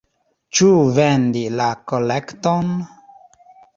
Ĉu vendi la kolekton?